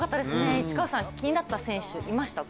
市川さん、気になった選手いましたか？